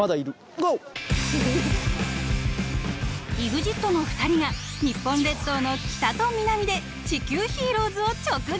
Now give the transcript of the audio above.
［ＥＸＩＴの２人が日本列島の北と南で地球ＨＥＲＯＥＳを直撃］